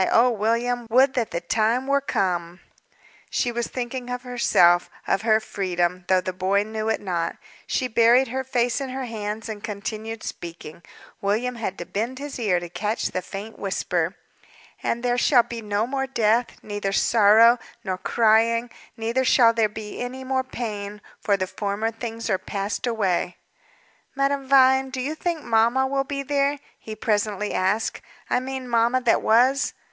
Oh, William! Would that the time were come!" She was thinking of herself of her freedom though the boy knew it not. She buried her face in her hands and continued speaking; William had to bend his ear to catch the faint whisper. "'And there shall be no more death, neither sorrow, nor crying: neither shall there be any more pain; for the former things are passed away.'" "Madame Vine, do you think mamma will be there?" he presently asked. "I mean mamma that was."